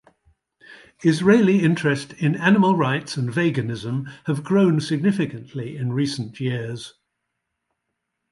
Israeli interest in animal rights and veganism have grown significantly in recent years.